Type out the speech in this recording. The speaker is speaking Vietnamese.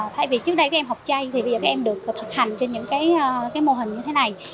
thay vì trước đây em học chay bây giờ em được thực hành trên những mô hình như thế này